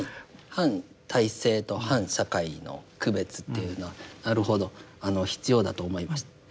反体制と反社会の区別っていうのはなるほど必要だと思います。